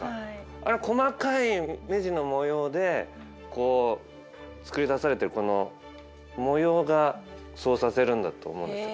あれ細かいメジの模様でこう作り出されてるこの模様がそうさせるんだと思うんですよ。